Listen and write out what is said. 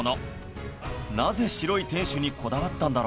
なぜ白い天守にこだわったんだろう？